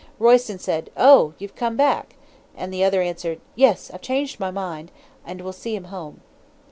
Royston said, 'Oh, you've come back,' and the other answered, 'Yes, I've changed my mind, and will see him home.'